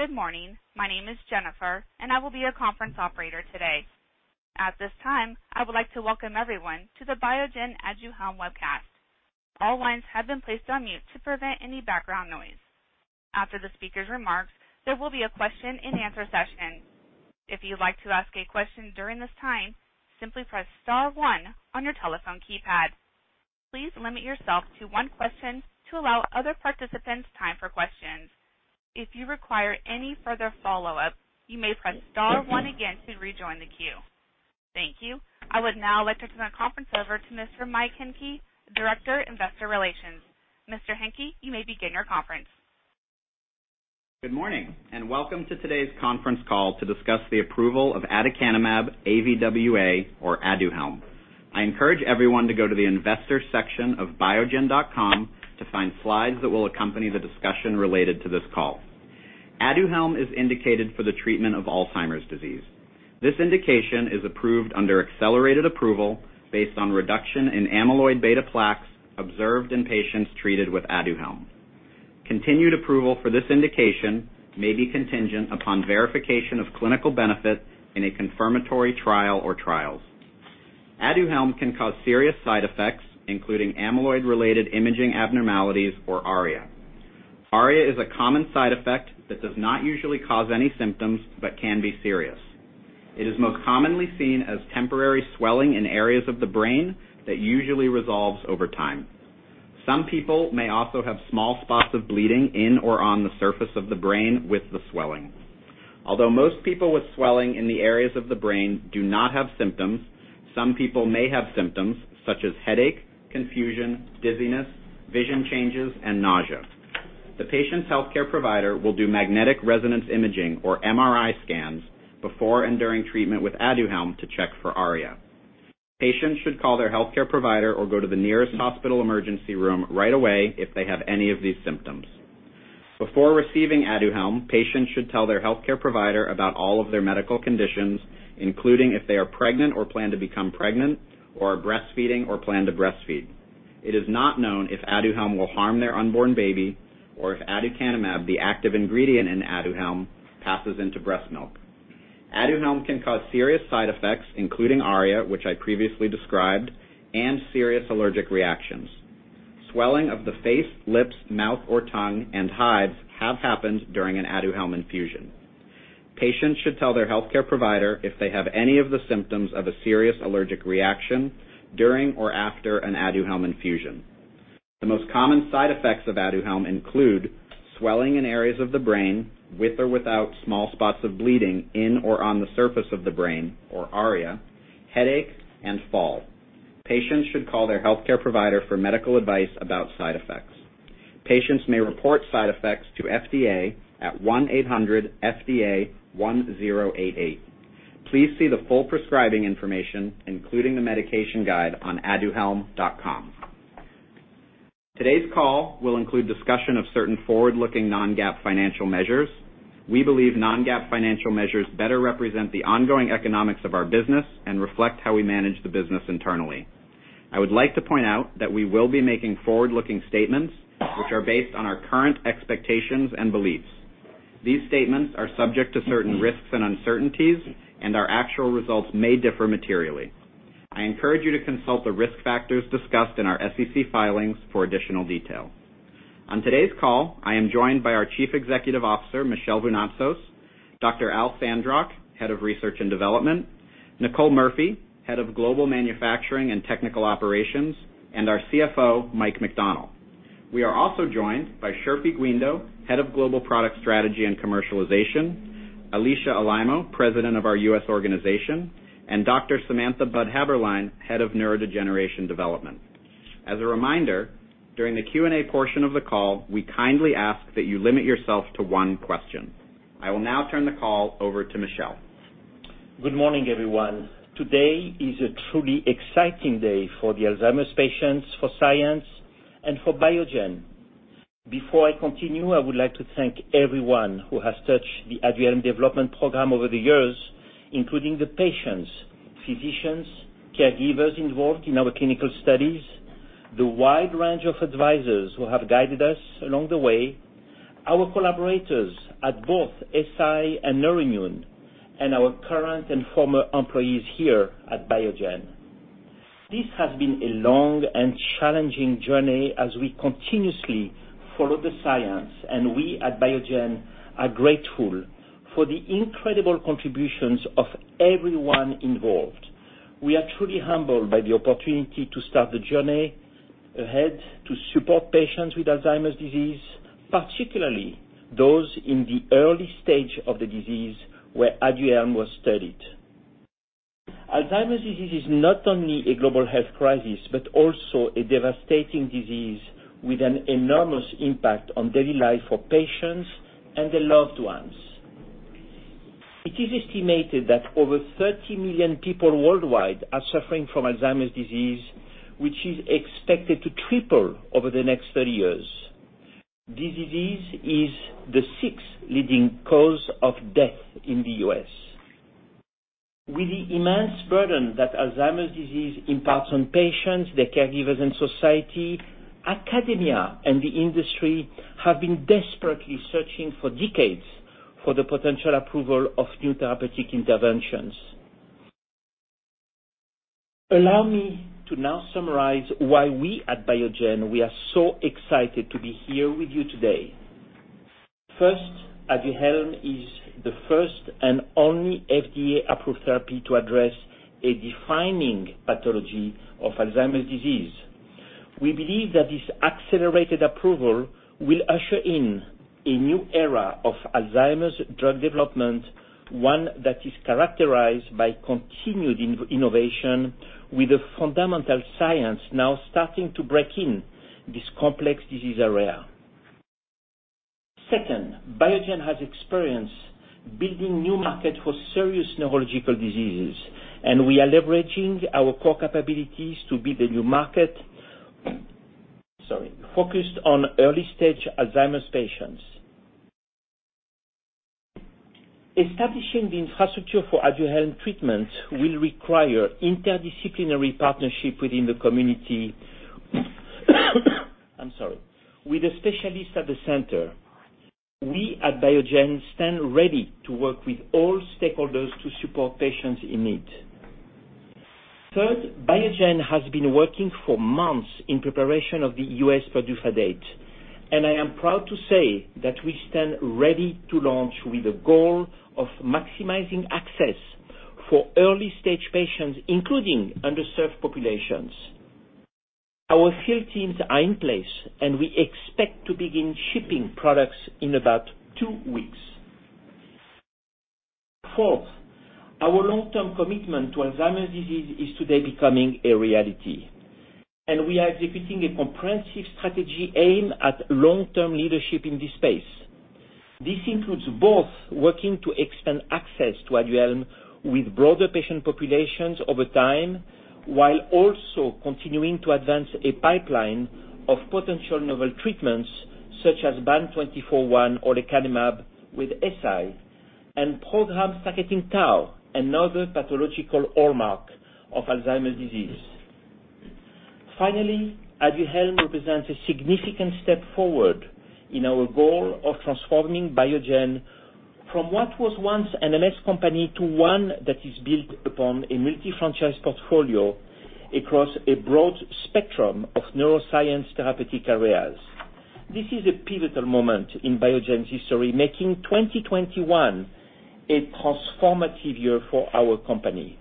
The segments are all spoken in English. Good morning. My name is Jennifer, and I will be your conference operator today. At this time, I would like to welcome everyone to the Biogen Aduhelm webcast. All lines have been placed on mute to prevent any background noise. After the speaker's remarks, there will be a question-and-answer session. If you'd like to ask a question during this time, simply press star one on your telephone keypad. Please limit yourself to one question to allow other participants time for questions. If you require any further follow-up, you may press star one again to rejoin the queue. Thank you. I would now like to turn the conference over to Mr. Mike Hencke, the Director of Investor Relations. Mr. Hencke, you may begin your conference. Good morning. Welcome to today's conference call to discuss the approval of aducanumab-avwa, or Aduhelm. I encourage everyone to go to the Investors section of biogen.com to find slides that will accompany the discussion related to this call. Aduhelm is indicated for the treatment of Alzheimer's disease. This indication is approved under Accelerated Approval based on reduction in amyloid beta plaques observed in patients treated with Aduhelm. Continued approval for this indication may be contingent upon verification of clinical benefit in a confirmatory trial or trials. Aduhelm can cause serious side effects, including amyloid-related imaging abnormalities or ARIA. ARIA is a common side effect that does not usually cause any symptoms but can be serious. It is most commonly seen as temporary swelling in areas of the brain that usually resolves over time. Some people may also have small spots of bleeding in or on the surface of the brain with the swelling. Although most people with swelling in the areas of the brain do not have symptoms, some people may have symptoms such as headache, confusion, dizziness, vision changes, and nausea. The patient's healthcare provider will do magnetic resonance imaging or MRI scans before and during treatment with Aduhelm to check for ARIA. Patients should call their healthcare provider or go to the nearest hospital emergency room right away if they have any of these symptoms. Before receiving Aduhelm, patients should tell their healthcare provider about all of their medical conditions, including if they are pregnant or plan to become pregnant, or are breastfeeding or plan to breastfeed. It is not known if Aduhelm will harm their unborn baby or if aducanumab, the active ingredient in Aduhelm, passes into breast milk. Aduhelm can cause serious side effects, including ARIA, which I previously described, and serious allergic reactions. Swelling of the face, lips, mouth, or tongue and hives has happened during an Aduhelm infusion. Patients should tell their healthcare provider if they have any of the symptoms of a serious allergic reaction during or after an Aduhelm infusion. The most common side effects of Aduhelm include swelling in areas of the brain, with or without small spots of bleeding in or on the surface of the brain or ARIA, headache, and fall. Patients should call their healthcare provider for medical advice about side effects. Patients may report side effects to FDA at 1-800-FDA-1088. Please see the full prescribing information, including the medication guide, on aduhelm.com. Today's call will include discussion of certain forward-looking non-GAAP financial measures. We believe non-GAAP financial measures better represent the ongoing economics of our business and reflect how we manage the business internally. I would like to point out that we will be making forward-looking statements, which are based on our current expectations and beliefs. These statements are subject to certain risks and uncertainties. Our actual results may differ materially. I encourage you to consult the risk factors discussed in our SEC filings for additional detail. On today's call, I am joined by our Chief Executive Officer, Michel Vounatsos; Dr. Al Sandrock, Head of Research and Development; Nicole Murphy, Head of Global Manufacturing and Technical Operations; and our CFO, Michael McDonnell. We are also joined by Chirfi Guindo, Head of Global Product Strategy and Commercialization; Alisha Alaimo, President of our U.S. organization; and Dr. Samantha Budd Haeberlein, Head of Neurodegeneration Development. As a reminder, during the Q&A portion of the call, we kindly ask that you limit yourself to one question. I will now turn the call over to Michel. Good morning, everyone. Today is a truly exciting day for the Alzheimer's patients, for science, and for Biogen. Before I continue, I would like to thank everyone who has touched the Aduhelm development program over the years, including the patients, physicians, caregivers involved in our clinical studies, the wide range of advisors who have guided us along the way, our collaborators at both Eisai and Neurimmune, and our current and former employees here at Biogen. This has been a long and challenging journey as we continuously follow the science, and we at Biogen are grateful for the incredible contributions of everyone involved. We are truly humbled by the opportunity to start the journey ahead to support patients with Alzheimer's disease, particularly those in the early stage of the disease where Aduhelm was studied. Alzheimer's disease is not only a global health crisis but also a devastating disease with an enormous impact on daily life for patients and their loved ones. It is estimated that over 30 million people worldwide are suffering from Alzheimer's disease, which is expected to triple over the next 30 years. This disease is the sixth leading cause of death in the U.S. With the immense burden that Alzheimer's disease imparts on patients, their caregivers, and society, academia and the industry have been desperately searching for decades for the potential approval of new therapeutic interventions. Allow me to now summarize why we at Biogen are so excited to be here with you today. First, Aduhelm is the first and only FDA-approved therapy to address a defining pathology of Alzheimer's disease. We believe that this accelerated approval will usher in a new era of Alzheimer's drug development, one that is characterized by continued innovation with the fundamental science now starting to break in this complex disease area. Second, Biogen has experience building new markets for serious neurological diseases, and we are leveraging our core capabilities to build a new market focused on early-stage Alzheimer's patients. Establishing the infrastructure for Aduhelm treatment will require interdisciplinary partnership within the community. With a specialist at the center, we at Biogen stand ready to work with all stakeholders to support patients in need. Third, Biogen has been working for months in preparation of the U.S. PDUFA date, and I am proud to say that we stand ready to launch with a goal of maximizing access for early-stage patients, including underserved populations. Our sales teams are in place, we expect to begin shipping products in about two weeks. Fourth, our long-term commitment to Alzheimer's disease is today becoming a reality, we are executing a comprehensive strategy aimed at long-term leadership in this space. This includes both working to expand access to Aduhelm with broader patient populations over time, while also continuing to advance a pipeline of potential novel treatments such as BAN2401 or lecanemab with Eisai and programs targeting tau, another pathological hallmark of Alzheimer's disease. Finally, Aduhelm represents a significant step forward in our goal of transforming Biogen from what was once an MS company to one that is built upon a multi-franchise portfolio across a broad spectrum of neuroscience therapeutic areas. This is a pivotal moment in Biogen's history, making 2021 a transformative year for our company.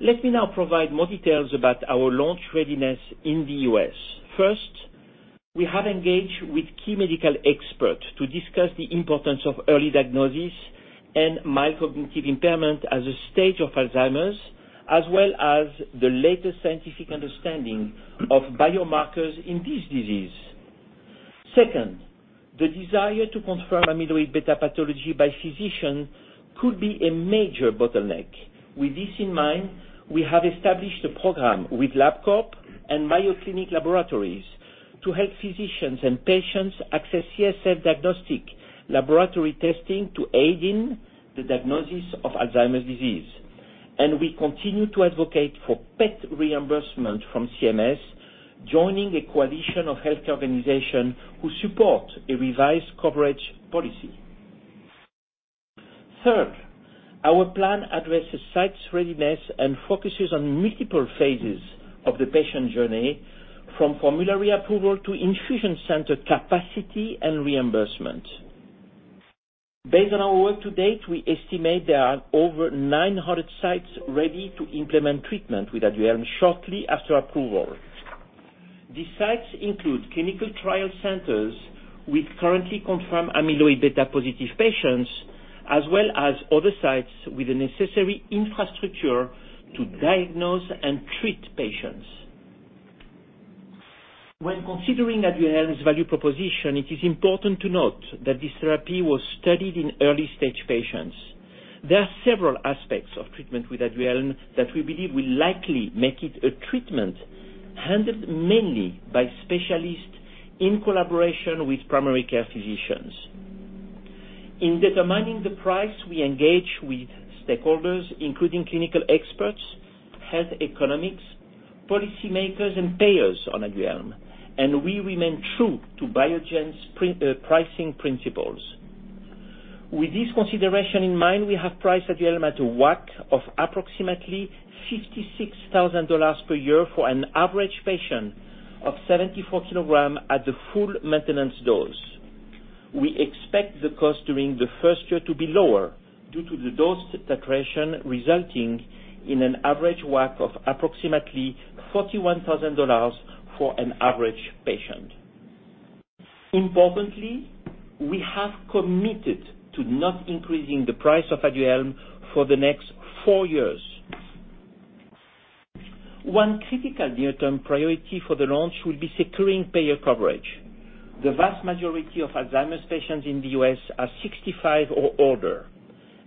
Let me now provide more details about our launch readiness in the U.S. First, we have engaged with key medical experts to discuss the importance of early diagnosis and mild cognitive impairment as a stage of Alzheimer's, as well as the latest scientific understanding of biomarkers in this disease. Second, the desire to confirm amyloid beta pathology by physicians could be a major bottleneck. With this in mind, we have established a program with LabCorp and Mayo Clinic Laboratories to help physicians and patients access CSF diagnostic laboratory testing to aid in the diagnosis of Alzheimer's disease. We continue to advocate for PET reimbursement from CMS, joining the coalition of health care organizations who support a revised coverage policy. Third, our plan addresses site readiness and focuses on multiple phases of the patient journey, from formulary approval to infusion center capacity and reimbursement. Based on our work to date, we estimate there are over 900 sites ready to implement treatment with Aduhelm shortly after approval. These sites include clinical trial centers with currently confirmed amyloid beta-positive patients, as well as other sites with the necessary infrastructure to diagnose and treat patients. When considering Aduhelm's value proposition, it is important to note that this therapy was studied in early-stage patients. There are several aspects of treatment with Aduhelm that we believe will likely make it a treatment handled mainly by specialists in collaboration with primary care physicians. In determining the price, we engaged with stakeholders, including clinical experts, health economics, policymakers, and payers on Aduhelm, and we remain true to Biogen's pricing principles. With this consideration in mind, we have priced Aduhelm at a WAC of approximately $66,000 per year for an average patient of 74 kg at the full maintenance dose. We expect the cost during the first year to be lower due to the dose titration, resulting in an average WAC of approximately $41,000 for an average patient. Importantly, we have committed to not increasing the price of Aduhelm for the next four years. One critical near-term priority for the launch will be securing payer coverage. The vast majority of Alzheimer's patients in the U.S. are 65 or older,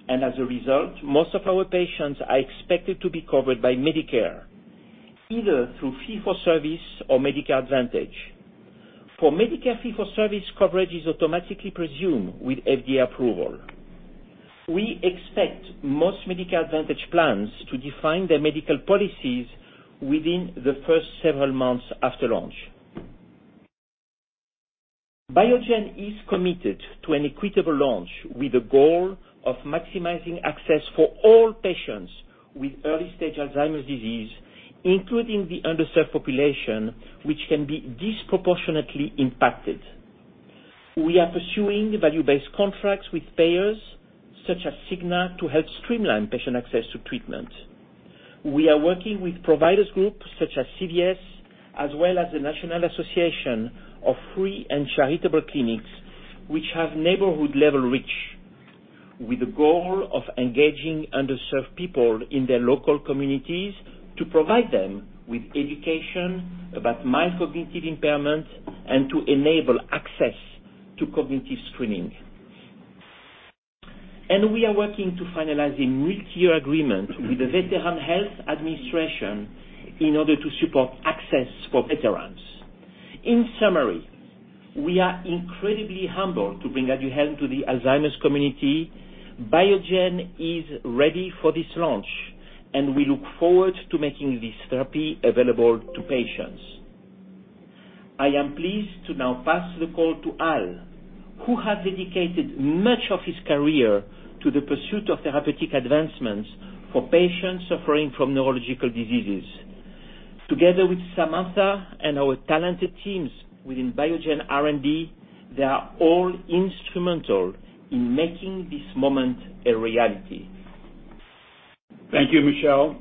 and as a result, most of our patients are expected to be covered by Medicare, either through fee-for-service or Medicare Advantage. For Medicare fee-for-service coverage is automatically presumed with FDA approval. We expect most Medicare Advantage plans to define their medical policies within the first several months after launch. Biogen is committed to an equitable launch with a goal of maximizing access for all patients with early-stage Alzheimer's disease, including the underserved population, which can be disproportionately impacted. We are pursuing value-based contracts with payers such as Cigna to help streamline patient access to treatment. We are working with providers groups such as CVS, as well as the National Association of Free and Charitable Clinics, which have neighborhood-level reach, with the goal of engaging underserved people in their local communities to provide them with education about mild cognitive impairment and to enable access to cognitive screening. We are working to finalize a multi-year agreement with the Veterans Health Administration in order to support access for veterans. In summary, we are incredibly humbled to bring Aduhelm to the Alzheimer's community. Biogen is ready for this launch, and we look forward to making this therapy available to patients. I am pleased to now pass the call to Al, who has dedicated much of his career to the pursuit of therapeutic advancements for patients suffering from neurological diseases. Together with Samantha and our talented teams within Biogen R&D, they are all instrumental in making this moment a reality. Thank you, Michel.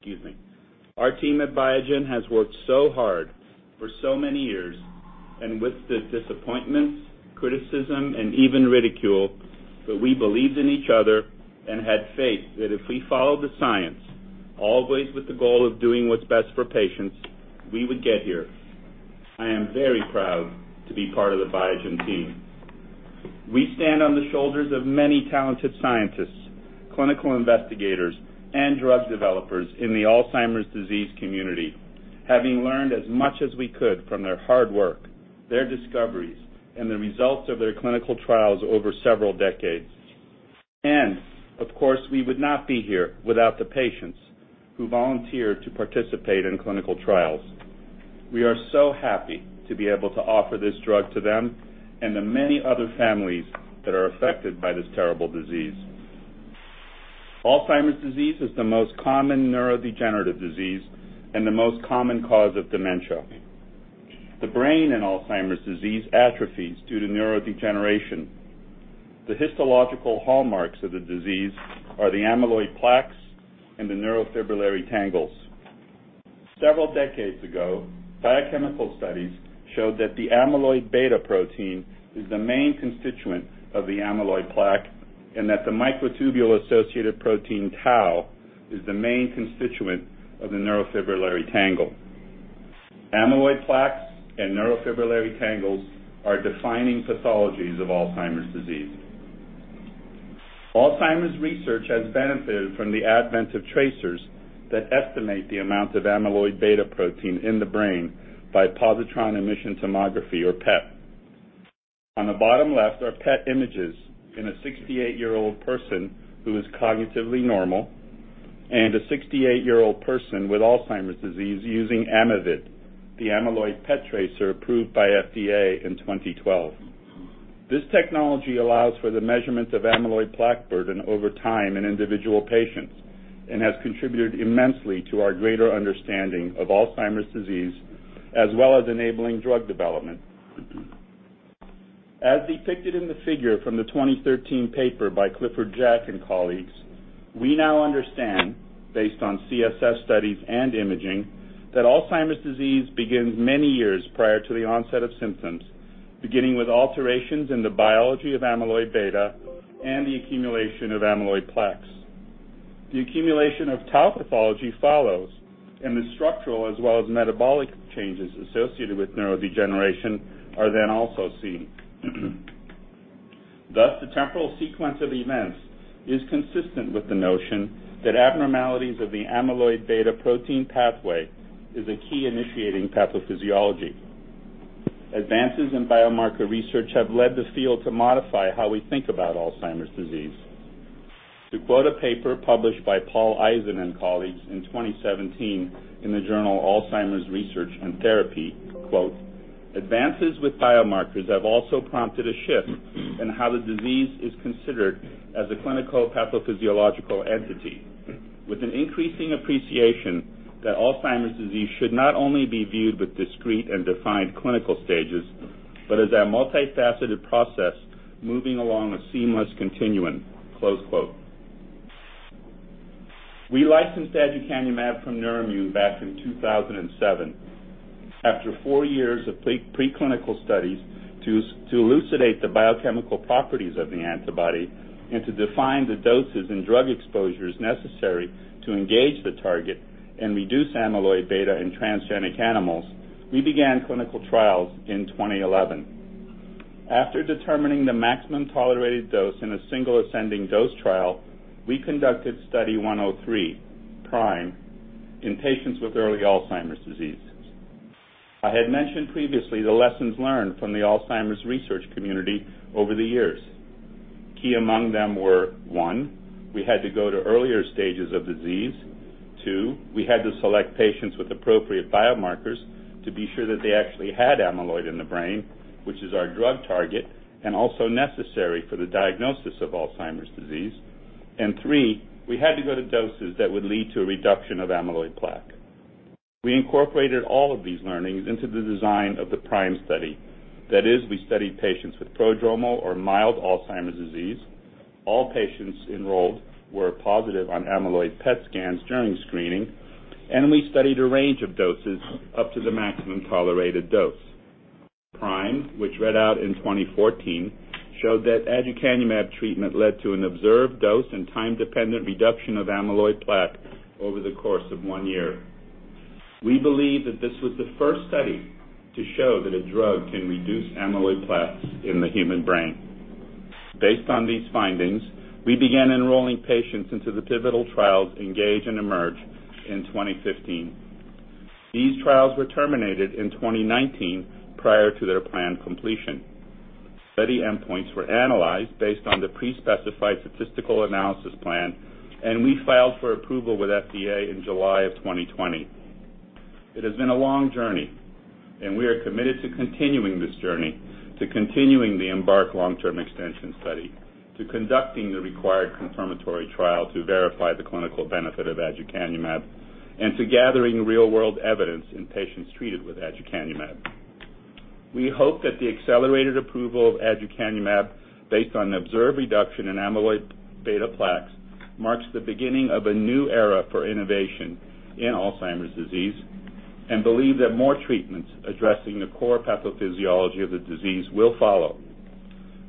Excuse me. Our team at Biogen has worked so hard for so many years and with the disappointments, criticism, and even ridicule, but we believed in each other and had faith that if we followed the science, always with the goal of doing what's best for patients, we would get here. I am very proud to be part of the Biogen team. We stand on the shoulders of many talented scientists, clinical investigators, and drug developers in the Alzheimer's disease community, having learned as much as we could from their hard work, their discoveries, and the results of their clinical trials over several decades. Of course, we would not be here without the patients who volunteer to participate in clinical trials. We are so happy to be able to offer this drug to them and the many other families that are affected by this terrible disease. Alzheimer's disease is the most common neurodegenerative disease and the most common cause of dementia. The brain in Alzheimer's disease atrophies due to neurodegeneration. The histological hallmarks of the disease are the amyloid plaques and the neurofibrillary tangles. Several decades ago, biochemical studies showed that the amyloid beta protein is the main constituent of the amyloid plaque, and that the microtubule-associated protein tau is the main constituent of the neurofibrillary tangle. Amyloid plaques and neurofibrillary tangles are defining pathologies of Alzheimer's disease. Alzheimer's research has benefited from the advent of tracers that estimate the amount of amyloid beta protein in the brain by positron emission tomography or PET. On the bottom left are PET images in a 68-year-old person who is cognitively normal and a 68-year-old person with Alzheimer's disease using Amyvid, the amyloid PET tracer approved by FDA in 2012. This technology allows for the measurement of amyloid plaque burden over time in individual patients and has contributed immensely to our greater understanding of Alzheimer's disease, as well as enabling drug development. As depicted in the figure from the 2013 paper by Clifford Jack and colleagues, we now understand, based on CSF studies and imaging, that Alzheimer's disease begins many years prior to the onset of symptoms, beginning with alterations in the biology of amyloid beta and the accumulation of amyloid plaques. The accumulation of tau pathology follows, and the structural as well as metabolic changes associated with neurodegeneration are then also seen. Thus, the temporal sequence of events is consistent with the notion that abnormalities of the amyloid beta protein pathway is a key initiating pathophysiology. Advances in biomarker research have led the field to modify how we think about Alzheimer's disease. To quote a paper published by Paul Aisen and colleagues in 2017 in the journal Alzheimer's Research & Therapy, quote, "Advances with biomarkers have also prompted a shift in how the disease is considered as a clinical pathophysiological entity, with an increasing appreciation that Alzheimer's disease should not only be viewed with discrete and defined clinical stages, but as a multifaceted process moving along a seamless continuum." Close quote. We licensed aducanumab from Neurimmune back in 2007. After four years of preclinical studies to elucidate the biochemical properties of the antibody and to define the doses and drug exposures necessary to engage the target and reduce amyloid beta in transgenic animals, we began clinical trials in 2011. After determining the maximum tolerated dose in a single ascending dose trial, we conducted Study 103, PRIME, in patients with early Alzheimer's disease. I had mentioned previously the lessons learned from the Alzheimer's research community over the years. Key among them were, one, we had to go to earlier stages of disease. Two, we had to select patients with appropriate biomarkers to be sure that they actually had amyloid in the brain, which is our drug target and also necessary for the diagnosis of Alzheimer's disease. Three, we had to go to doses that would lead to a reduction of amyloid plaque. We incorporated all of these learnings into the design of the PRIME study. That is, we studied patients with prodromal or mild Alzheimer's disease. All patients enrolled were positive on amyloid PET scans during screening, and we studied a range of doses up to the maximum tolerated dose. PRIME, which read out in 2014, showed that aducanumab treatment led to an observed dose and time-dependent reduction of amyloid plaque over the course of one year. We believe that this was the first study to show that a drug can reduce amyloid plaques in the human brain. Based on these findings, we began enrolling patients into the pivotal trials ENGAGE and EMERGE in 2015. These trials were terminated in 2019 prior to their planned completion. Study endpoints were analyzed based on the pre-specified statistical analysis plan, and we filed for approval with FDA in July of 2020. It has been a long journey, and we are committed to continuing this journey, to continuing the EMBARK long-term extension study, to conducting the required confirmatory trial to verify the clinical benefit of aducanumab, and to gathering real-world evidence in patients treated with aducanumab. We hope that the Accelerated Approval of aducanumab based on observed reduction in amyloid beta plaques marks the beginning of a new era for innovation in Alzheimer's disease and believe that more treatments addressing the core pathophysiology of the disease will follow.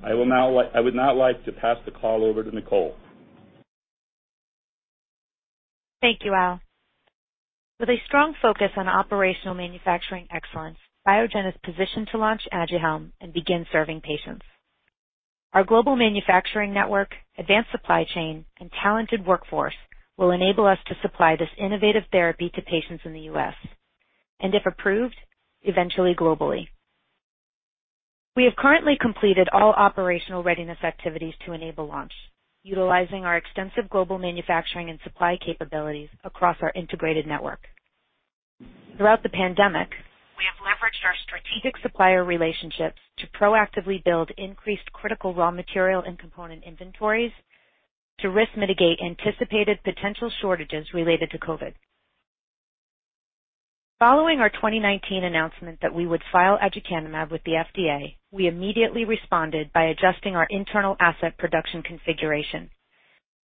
I would now like to pass the call over to Nicole. Thank you, Al. With a strong focus on operational manufacturing excellence, Biogen is positioned to launch Aduhelm and begin serving patients. Our global manufacturing network, advanced supply chain, and talented workforce will enable us to supply this innovative therapy to patients in the U.S., and if approved, eventually globally. We have currently completed all operational readiness activities to enable launch, utilizing our extensive global manufacturing and supply capabilities across our integrated network. Throughout the pandemic, we have leveraged our strategic supplier relationships to proactively build increased critical raw material and component inventories to risk mitigate anticipated potential shortages related to COVID. Following our 2019 announcement that we would file aducanumab with the FDA, we immediately responded by adjusting our internal asset production configuration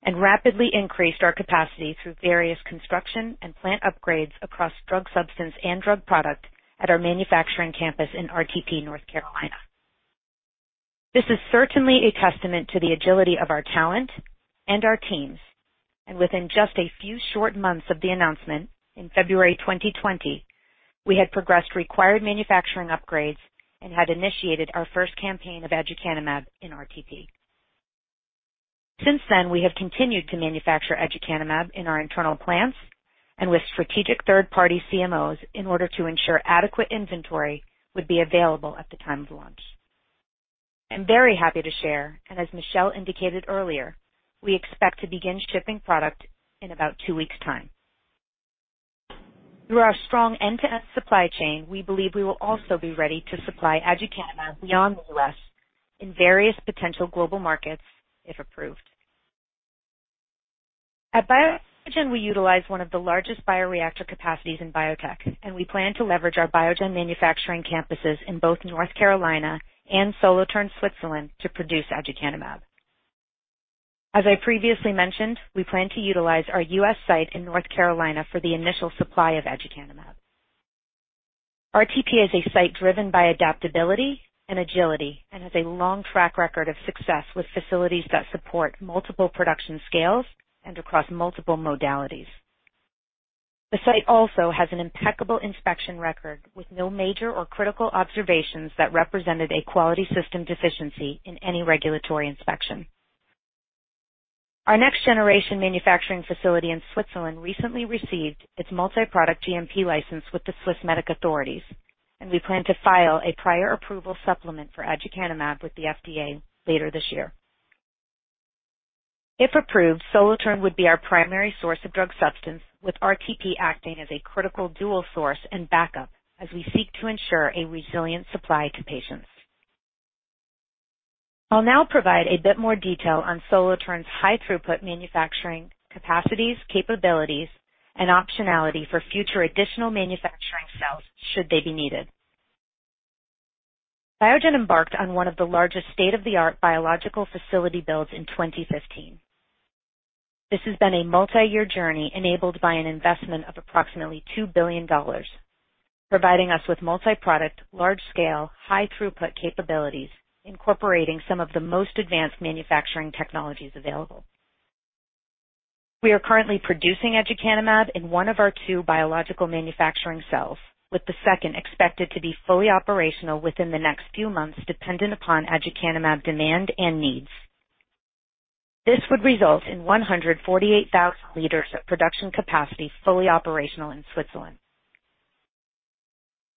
and rapidly increased our capacity through various construction and plant upgrades across drug substance and drug product at our manufacturing campus in RTP, North Carolina. This is certainly a testament to the agility of our talent and our teams. Within just a few short months of the announcement in February 2020, we had progressed required manufacturing upgrades and had initiated our first campaign of aducanumab in RTP. Since then, we have continued to manufacture aducanumab in our internal plants and with strategic third-party CMOs in order to ensure adequate inventory would be available at the time of launch. I'm very happy to share, and as Michel indicated earlier, we expect to begin shipping product in about two weeks' time. Through our strong end-to-end supply chain, we believe we will also be ready to supply aducanumab beyond the U.S. in various potential global markets if approved. At Biogen, we utilize one of the largest bioreactor capacities in biotech, and we plan to leverage our Biogen manufacturing campuses in both North Carolina and Solothurn, Switzerland, to produce aducanumab. As I previously mentioned, we plan to utilize our U.S. site in North Carolina for the initial supply of aducanumab. RTP is a site driven by adaptability and agility and has a long track record of success with facilities that support multiple production scales and across multiple modalities. The site also has an impeccable inspection record with no major or critical observations that represented a quality system deficiency in any regulatory inspection. Our next-generation manufacturing facility in Switzerland recently received its multi-product GMP license with the Swissmedic authorities, and we plan to file a prior approval supplement for aducanumab with the FDA later this year. If approved, Solothurn would be our primary source of drug substance, with RTP acting as a critical dual source and backup as we seek to ensure a resilient supply to patients. I'll now provide a bit more detail on Solothurn's high-throughput manufacturing capacities, capabilities, and optionality for future additional manufacturing cells should they be needed. Biogen embarked on one of the largest state-of-the-art biological facility builds in 2015. This has been a multi-year journey enabled by an investment of approximately $2 billion, providing us with multi-product, large-scale, high-throughput capabilities incorporating some of the most advanced manufacturing technologies available. We are currently producing aducanumab in one of our two biological manufacturing cells, with the second expected to be fully operational within the next few months dependent upon aducanumab demand and needs. This would result in 148,000 l of production capacity fully operational in Switzerland.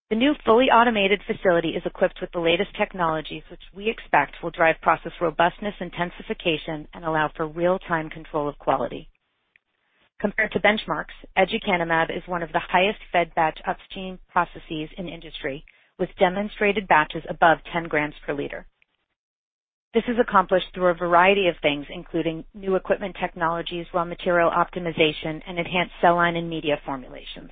The new fully automated facility is equipped with the latest technologies, which we expect will drive process robustness intensification and allow for real-time control of quality. Compared to benchmarks, aducanumab is one of the highest fed-batch upstream processes in the industry, with demonstrated batches above 10 g/l. This is accomplished through a variety of things, including new equipment technologies, raw material optimization, and enhanced cell line and media formulations.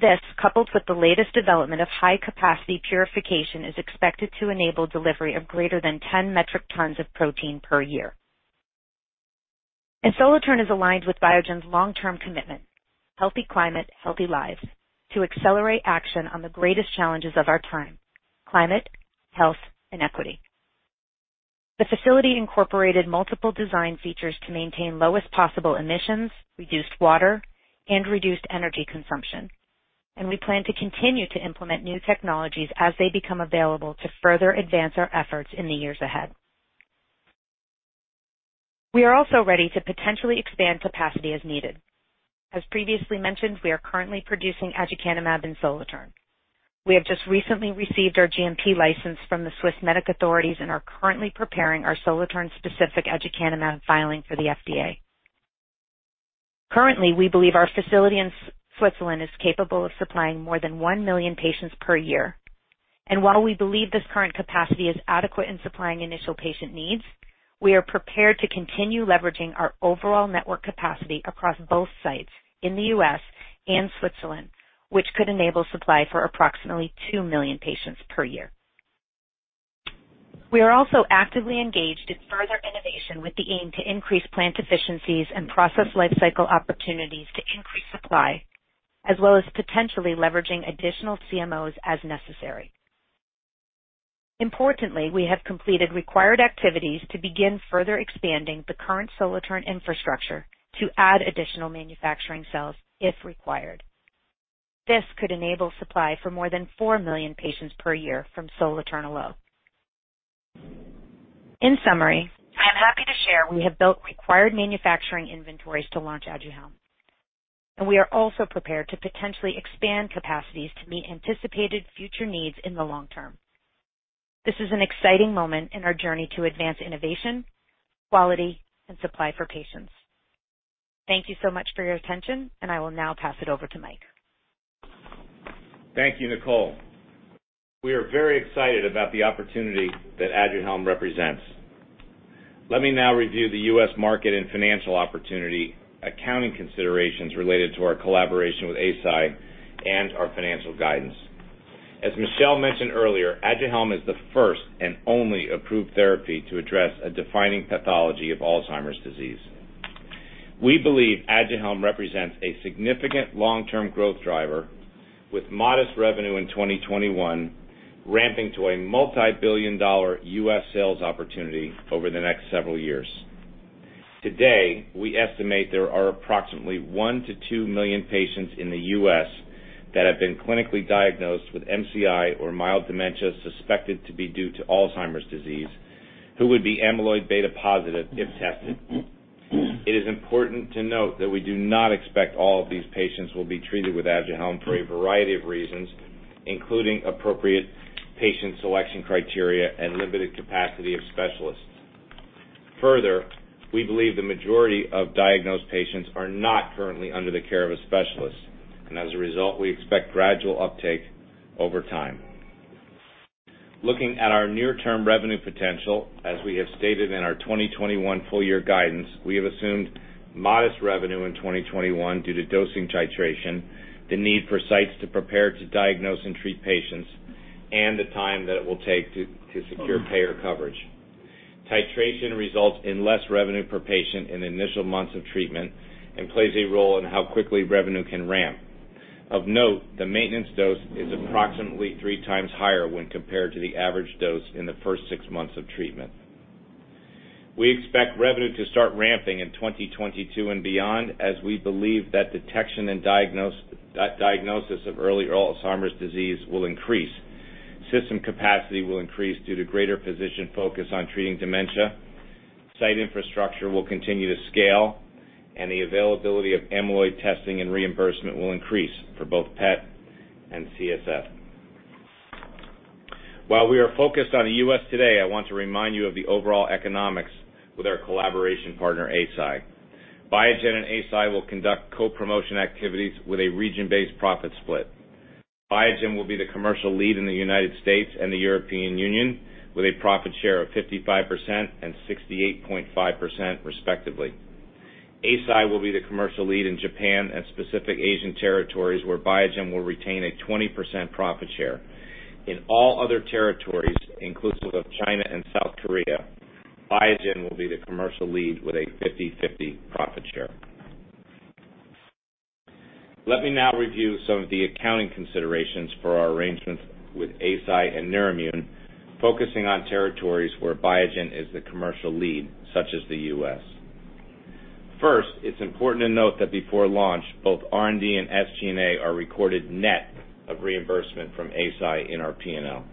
This, coupled with the latest development of high-capacity purification, is expected to enable delivery of greater than 10 metric tons of protein per year. Solothurn is aligned with Biogen's long-term commitment, Healthy Climate, Healthy Lives, to accelerate action on the greatest challenges of our time, climate, health, and equity. The facility incorporated multiple design features to maintain lowest possible emissions, reduce water, and reduce energy consumption. We plan to continue to implement new technologies as they become available to further advance our efforts in the years ahead. We are also ready to potentially expand capacity as needed. As previously mentioned, we are currently producing aducanumab in Solothurn. We have just recently received our GMP license from the Swissmedic authorities and are currently preparing our Solothurn-specific aducanumab filing for the FDA. Currently, we believe our facility in Switzerland is capable of supplying more than 1 million patients per year. While we believe this current capacity is adequate in supplying initial patient needs, we are prepared to continue leveraging our overall network capacity across both sites in the U.S. and Switzerland, which could enable supply for approximately 2 million patients per year. We are also actively engaged in further innovation with the aim to increase plant efficiencies and process lifecycle opportunities to increase supply, as well as potentially leveraging additional CMOs as necessary. Importantly, we have completed required activities to begin further expanding the current Solothurn infrastructure to add additional manufacturing cells if required. This could enable supply for more than 4 million patients per year from Solothurn alone. In summary, I'm happy to share we have built required manufacturing inventories to launch Aduhelm. We are also prepared to potentially expand capacities to meet anticipated future needs in the long term. This is an exciting moment in our journey to advance innovation, quality, and supply for patients. Thank you so much for your attention. I will now pass it over to Mike. Thank you, Nicole. We are very excited about the opportunity that Aduhelm represents. Let me now review the U.S. market and financial opportunity accounting considerations related to our collaboration with Eisai and our financial guidance. As Michel mentioned earlier, Aduhelm is the first and only approved therapy to address a defining pathology of Alzheimer's disease. We believe Aduhelm represents a significant long-term growth driver with modest revenue in 2021, ramping to a multibillion-dollar U.S. sales opportunity over the next several years. Today, we estimate there are approximately one to two million patients in the U.S. that have been clinically diagnosed with MCI or mild dementia suspected to be due to Alzheimer's disease, who would be amyloid beta positive if tested. It is important to note that we do not expect all of these patients will be treated with Aduhelm for a variety of reasons, including appropriate patient selection criteria and limited capacity of specialists. Further, we believe the majority of diagnosed patients are not currently under the care of a specialist, and as a result, we expect gradual uptake over time. Looking at our near-term revenue potential, as we have stated in our 2021 full-year guidance, we have assumed modest revenue in 2021 due to dosing titration, the need for sites to prepare to diagnose and treat patients, and the time that it will take to secure payer coverage. Titration results in less revenue per patient in initial months of treatment and plays a role in how quickly revenue can ramp. Of note, the maintenance dose is approximately three times higher when compared to the average dose in the first six months of treatment. We expect revenue to start ramping in 2022 and beyond, as we believe that detection and diagnosis of early Alzheimer's disease will increase. System capacity will increase due to greater physician focus on treating dementia, site infrastructure will continue to scale, and the availability of amyloid testing and reimbursement will increase for both PET and CSF. While we are focused on the U.S. today, I want to remind you of the overall economics with our collaboration partner, Eisai. Biogen and Eisai will conduct co-promotion activities with a region-based profit split. Biogen will be the commercial lead in the United States and the European Union with a profit share of 55% and 68.5%, respectively. Eisai will be the commercial lead in Japan and specific Asian territories where Biogen will retain a 20% profit share. In all other territories, inclusive of China and South Korea, Biogen will be the commercial lead with a 50/50 profit share. Let me now review some of the accounting considerations for our arrangements with Eisai and Neurimmune, focusing on territories where Biogen is the commercial lead, such as the U.S. First, it's important to note that before launch, both R&D and SG&A are recorded net of reimbursement from Eisai in our P&L.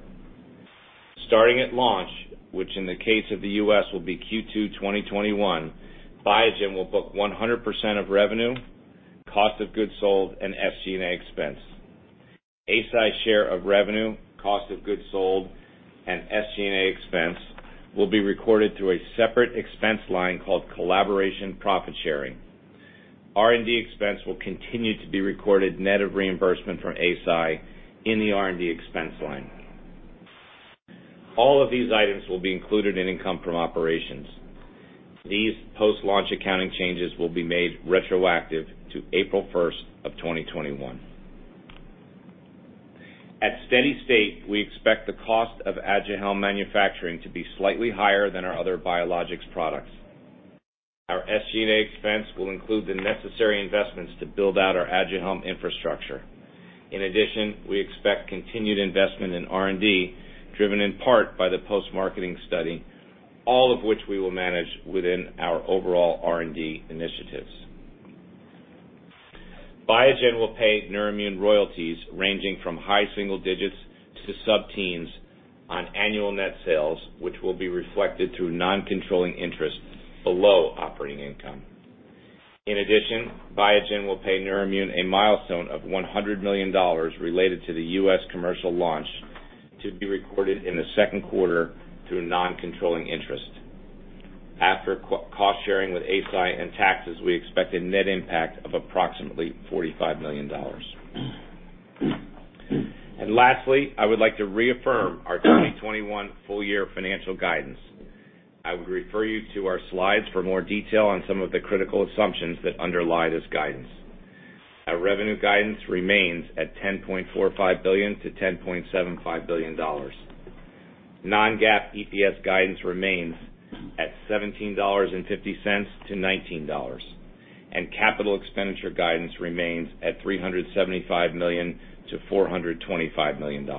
Starting at launch, which in the case of the U.S. will be Q2 2021, Biogen will book 100% of revenue, cost of goods sold, and SG&A expense. Eisai's share of revenue, cost of goods sold, and SG&A expense will be recorded through a separate expense line called collaboration profit-sharing. R&D expense will continue to be recorded net of reimbursement from Eisai in the R&D expense line. All of these items will be included in income from operations. These post-launch accounting changes will be made retroactive to April 1st of 2021. At steady state, we expect the cost of Aduhelm manufacturing to be slightly higher than our other biologics products. Our SG&A expense will include the necessary investments to build out our Aduhelm infrastructure. In addition, we expect continued investment in R&D, driven in part by the post-marketing study, all of which we will manage within our overall R&D initiatives. Biogen will pay Neurimmune royalties ranging from high single digits to sub-teens on annual net sales, which will be reflected through non-controlling interest below operating income. In addition, Biogen will pay Neurimmune a milestone of $100 million related to the U.S. commercial launch to be recorded in the second quarter through non-controlling interest. After cost-sharing with Eisai and taxes, we expect a net impact of approximately $45 million. Lastly, I would like to reaffirm our 2021 full-year financial guidance. I would refer you to our slides for more detail on some of the critical assumptions that underlie this guidance. Our revenue guidance remains at $10.45 billion-$10.75 billion. Non-GAAP EPS guidance remains at $17.50-$19. Capital expenditure guidance remains at $375 million-$425 million.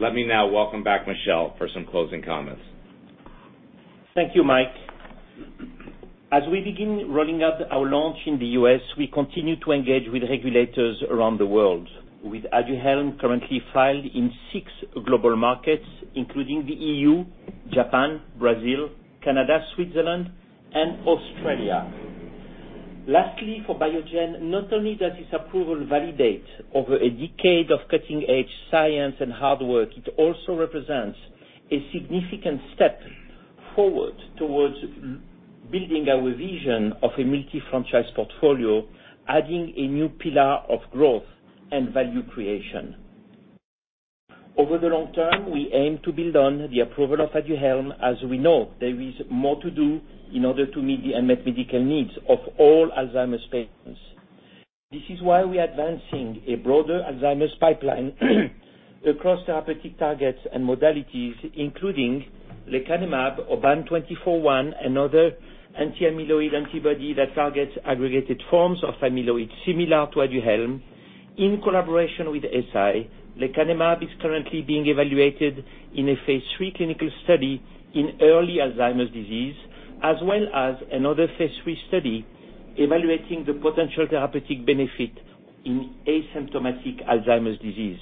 Let me now welcome back Michel for some closing comments. Thank you, Mike. As we begin rolling out our launch in the U.S., we continue to engage with regulators around the world, with Aduhelm currently filed in six global markets, including the EU, Japan, Brazil, Canada, Switzerland, and Australia. Lastly, for Biogen, not only does this approval validate over a decade of cutting-edge science and hard work, it also represents a significant step forward towards building our vision of a multi-franchise portfolio, adding a new pillar of growth and value creation. Over the long term, we aim to build on the approval of Aduhelm. As we know, there is more to do in order to meet the unmet medical needs of all Alzheimer's patients. This is why we are advancing a broader Alzheimer's pipeline across therapeutic targets and modalities, including lecanemab or BAN2401, another anti-amyloid antibody that targets aggregated forms of amyloid similar to Aduhelm in collaboration with Eisai. lecanemab is currently being evaluated in a phase III clinical study in early Alzheimer's disease, as well as another phase III study evaluating the potential therapeutic benefit in asymptomatic Alzheimer's disease,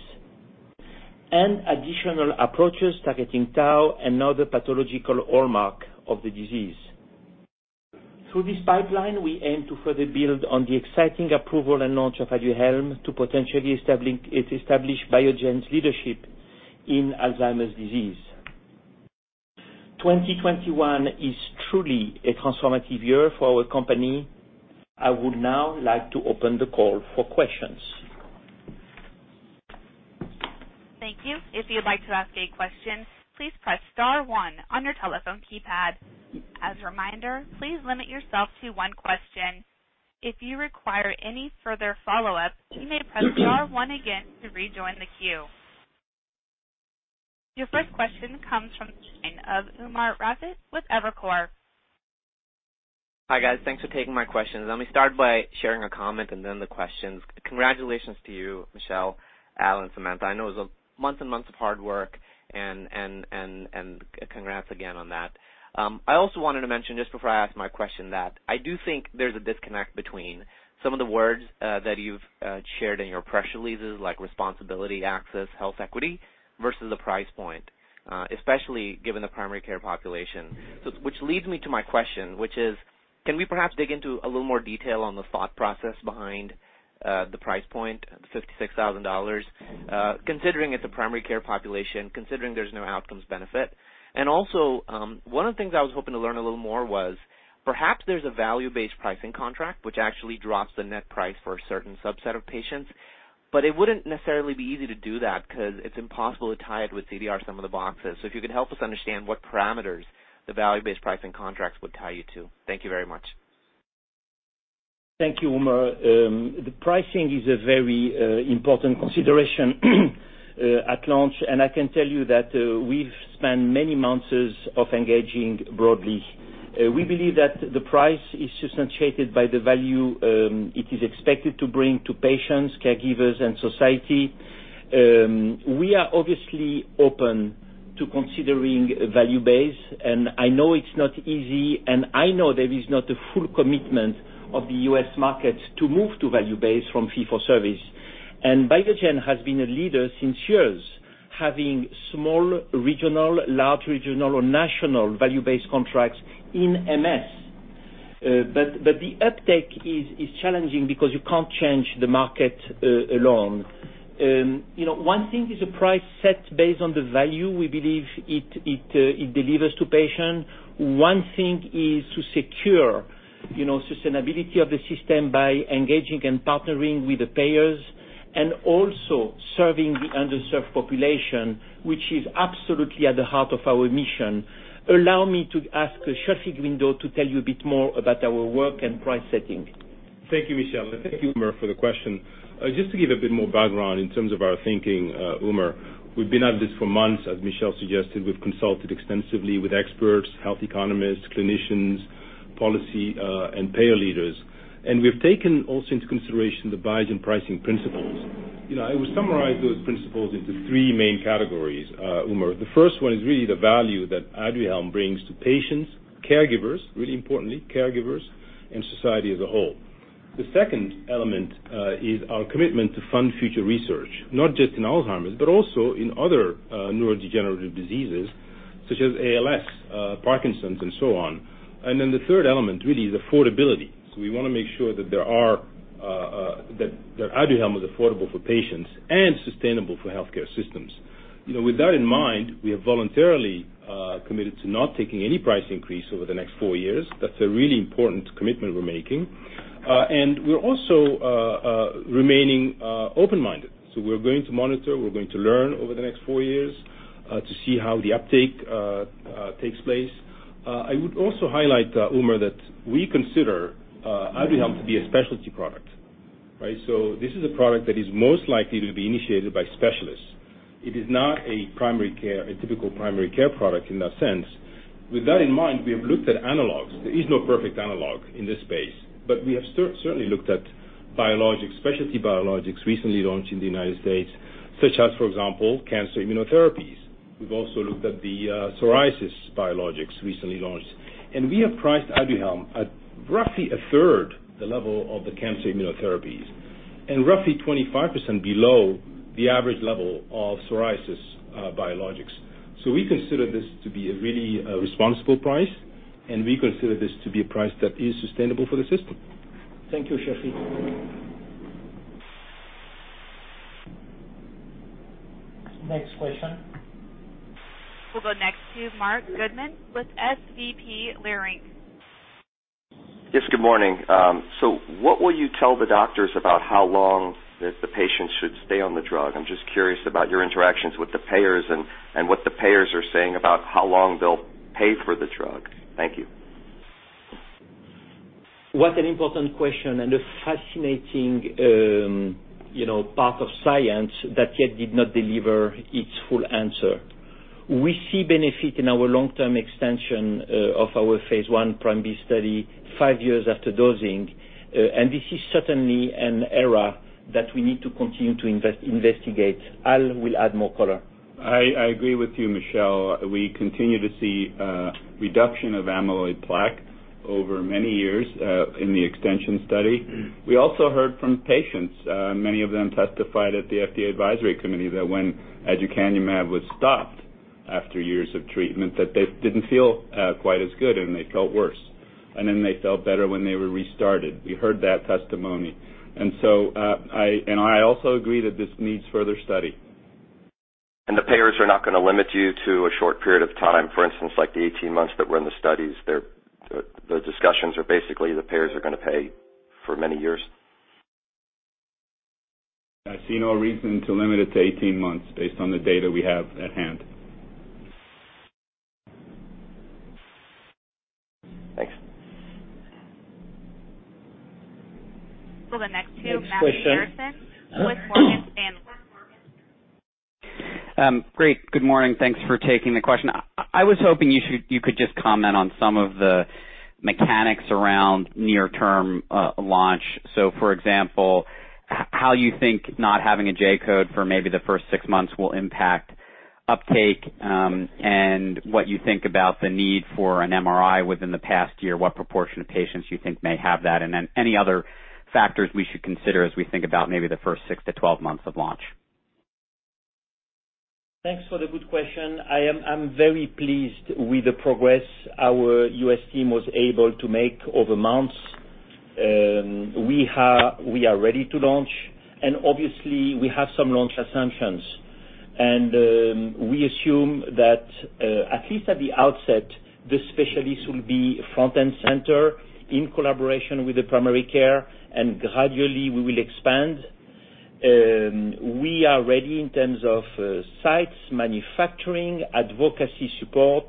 and additional approaches targeting tau, another pathological hallmark of the disease. Through this pipeline, we aim to further build on the exciting approval and launch of Aduhelm to potentially establish Biogen's leadership in Alzheimer's disease. 2021 is truly a transformative year for our company. I would now like to open the call for questions. Thank you. If you would like to ask a question, please press star one on your telephone keypad. As a reminder, please limit yourself to one question. If you require any further follow-up, you may press star one again to rejoin the queue. Your first question comes from Umer Raffat with Evercore. Hi, guys. Thanks for taking my questions. Let me start by sharing a comment and then the questions. Congratulations to you, Michel, Al, Samantha. I know it was months and months of hard work and congrats again on that. I also wanted to mention just before I ask my question that I do think there's a disconnect between some of the words that you've shared in your press releases, like responsibility, access, health equity, versus the price point, especially given the primary care population. Which leads me to my question, which is, can we perhaps dig into a little more detail on the thought process behind the price point of $66,000, considering it's a primary care population, considering there's no outcomes benefit. Also, one of the things I was hoping to learn a little more was perhaps there's a value-based pricing contract, which actually drops the net price for a certain subset of patients, but it wouldn't necessarily be easy to do that because it's impossible to tie it with CDR sum of the boxes. If you could help us understand what parameters the value-based pricing contracts would tie you to? Thank you very much. Thank you, Umer. The pricing is a very important consideration at launch, and I can tell you that we've spent many months engaging broadly. We believe that the price is justified by the value it is expected to bring to patients, caregivers, and society. We are obviously open to considering value-based, and I know it's not easy, and I know there is not a full commitment of the U.S. market to move to value-based from fee-for-service. Biogen has been a leader since years, having small regional, large regional, or national value-based contracts in MS. The uptake is challenging because you can't change the market alone. One thing is a price set based on the value we believe it delivers to patients. One thing is to secure sustainability of the system by engaging and partnering with the payers and also serving the underserved population, which is absolutely at the heart of our mission. Allow me to ask Chirfi Guindo to tell you a bit more about our work and price setting. Thank you, Michel. Thank you, Umer, for the question. Just to give a bit more background in terms of our thinking, Umer. We've been at this for months, as Michel suggested. We've consulted extensively with experts, health economists, clinicians, policy, and payer leaders. We've taken also into consideration the Biogen pricing principles. I would summarize those principles into three main categories, Umer. The first one is really the value that Aduhelm brings to patients, caregivers, really importantly, caregivers, and society as a whole. The second element is our commitment to fund future research, not just in Alzheimer's, but also in other neurodegenerative diseases such as ALS, Parkinson's, and so on. The third element, really, is affordability. We want to make sure that Aduhelm is affordable for patients and sustainable for healthcare systems. With that in mind, we have voluntarily committed to not taking any price increase over the next four years. That's a really important commitment we're making. We're also remaining open-minded. We're going to monitor, we're going to learn over the next four years to see how the uptake takes place. I would also highlight, Umer, that we consider Aduhelm to be a specialty product. This is a product that is most likely to be initiated by specialists. It is not a typical primary care product in that sense. With that in mind, we have looked at analogs. There is no perfect analog in this space, but we have certainly looked at specialty biologics recently launched in the U.S., such as, for example, cancer immunotherapies. We've also looked at the psoriasis biologics recently launched. We have priced Aduhelm at roughly a third the level of the cancer immunotherapies and roughly 25% below the average level of psoriasis biologics. We consider this to be a really responsible price, and we consider this to be a price that is sustainable for the system. Thank you, Chirfi. Next question. We'll go next to Marc Goodman with SVB Leerink. Yes, good morning. What will you tell the doctors about how long the patient should stay on the drug? I'm just curious about your interactions with the payers and what the payers are saying about how long they'll pay for the drug. Thank you. What an important question and a fascinating part of science that yet did not deliver its full answer. We see benefit in our long-term extension of our phase I primary study five years after dosing, and this is certainly an era that we need to continue to investigate. Al will add more color. I agree with you, Michel. We continue to see a reduction of amyloid plaque over many years in the extension study. We also heard from patients. Many of them testified at the FDA advisory committee that when aducanumab was stopped after years of treatment, that they didn't feel quite as good and they felt worse, and then they felt better when they were restarted. We heard that testimony. I also agree that this needs further study. The payers are not going to limit you to a short period of time, for instance, like the 18 months that were in the studies? The discussions are basically the payers are going to pay for many years? I see no reason to limit it to 18 months based on the data we have at hand. Thanks. We'll go next to Matthew Harrison with Morgan Stanley. Great. Good morning. Thanks for taking the question. I was hoping you could just comment on some of the mechanics around near-term launch. For example, how you think not having a J-code for maybe the first six months will impact uptake, and what you think about the need for an MRI within the past year, what proportion of patients you think may have that, and then any other factors we should consider as we think about maybe the first six to 12 months of launch. Thanks for the good question. I'm very pleased with the progress our U.S. team was able to make over months. We are ready to launch. Obviously, we have some launch assumptions. We assume that at least at the outset, the specialists will be front and center in collaboration with the primary care. Gradually we will expand. We are ready in terms of sites, manufacturing, advocacy support.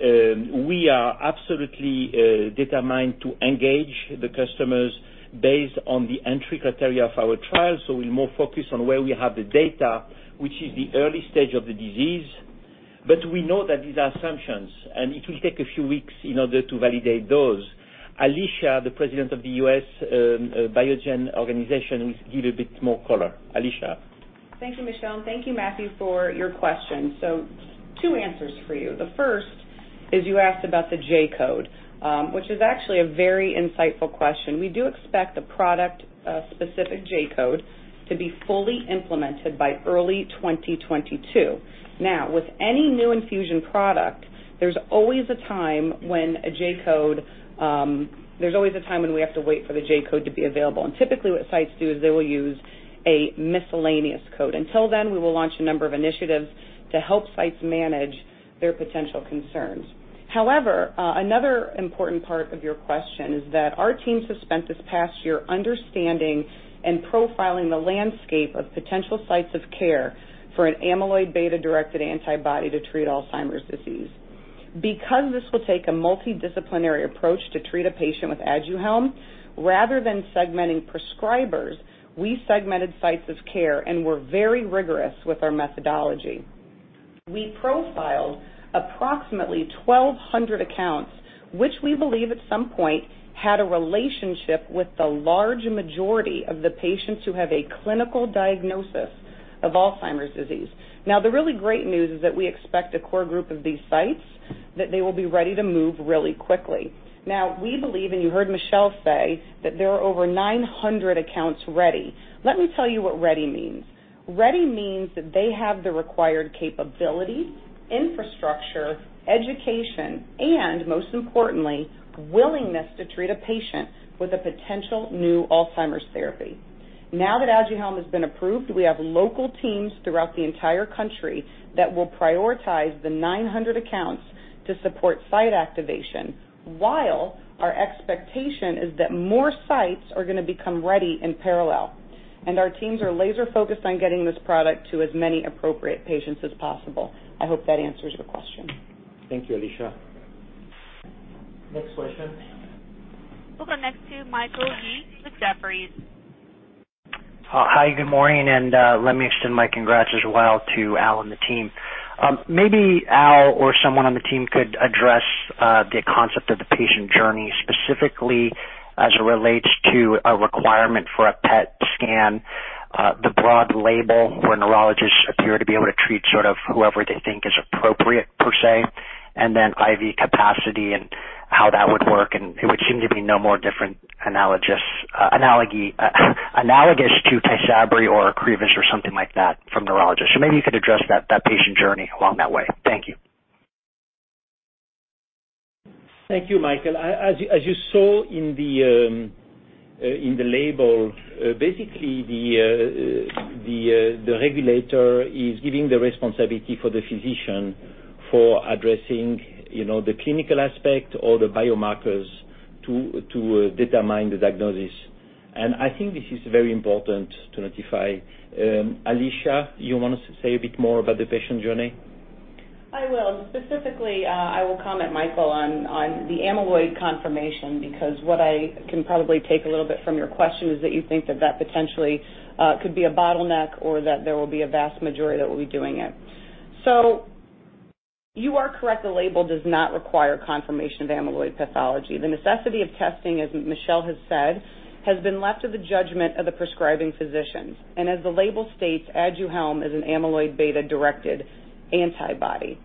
We are absolutely determined to engage the customers based on the entry criteria of our trial. We're more focused on where we have the data, which is the early stage of the disease. We know that these are assumptions. It will take a few weeks in order to validate those. Alisha, the President of the U.S. Biogen organization, will give a bit more color. Alisha. Thank you, Michel. Thank you, Matthew, for your question. Two answers for you. The first is you asked about the J-code, which is actually a very insightful question. We do expect the product-specific J-code to be fully implemented by early 2022. With any new infusion product, there's always a time when we have to wait for the J-code to be available. Typically what sites do is they will use a miscellaneous code. Until then, we will launch a number of initiatives to help sites manage their potential concerns. Another important part of your question is that our team spent this past year understanding and profiling the landscape of potential sites of care for an amyloid beta-directed antibody to treat Alzheimer's disease. This will take a multidisciplinary approach to treat a patient with Aduhelm, rather than segmenting prescribers, we segmented sites of care, and we're very rigorous with our methodology. We profiled approximately 1,200 accounts, which we believe at some point had a relationship with the large majority of the patients who have a clinical diagnosis of Alzheimer's disease. The really great news is that we expect a core group of these sites that they will be ready to move really quickly. We believe, and you heard Michel say, that there are over 900 accounts ready. Let me tell you what ready means. Ready means that they have the required capabilities, infrastructure, education, and most importantly, willingness to treat a patient with a potential new Alzheimer's therapy. Now that Aduhelm has been approved, we have local teams throughout the entire country that will prioritize the 900 accounts to support site activation, while our expectation is that more sites are going to become ready in parallel. Our teams are laser-focused on getting this product to as many appropriate patients as possible. I hope that answers your question. Thank you, Alisha. Next question. We'll go next to Michael Yee with Jefferies. Hi, good morning. Let me extend my congrats as well to Al and the team. Maybe Al or someone on the team could address the concept of the patient journey specifically as it relates to a requirement for a PET scan, the broad label where neurologists appear to be able to treat sort of whoever they think is appropriate, per se, and then IV capacity and how that would work, and it would seem to be no more different analogous to TYSABRI or OCREVUS or something like that from neurologists. Maybe you could address that patient journey along that way. Thank you. Thank you, Michael. As you saw in the label, basically the regulator is giving the responsibility for the physician for addressing the clinical aspect or the biomarkers to determine the diagnosis. I think this is very important to notify. Alisha, you want to say a bit more about the patient journey? I will. Specifically, I will comment, Michael, on the amyloid confirmation, because what I can probably take a little bit from your question is that you think that that potentially could be a bottleneck or that there will be a vast majority that will be doing it. You are correct. The label does not require confirmation of amyloid pathology. The necessity of testing, as Michel has said, has been left to the judgment of the prescribing physicians. As the label states, Aduhelm is an amyloid beta-directed antibody.